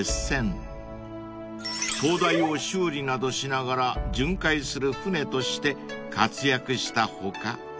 ［灯台を修理などしながら巡回する船として活躍した他